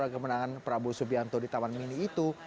dan kemenangan prabowo subianto di taman mini itu